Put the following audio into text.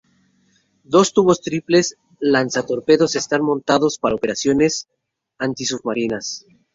Dos tubos triples lanzatorpedos están montados para operaciones antisubmarinas.